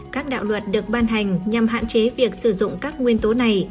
các đạo luật được ban hành nhằm hạn chế việc sử dụng các nguyên tố này